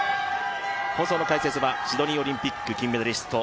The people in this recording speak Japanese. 放送の解説は、シドニーオリンピック金メダリスト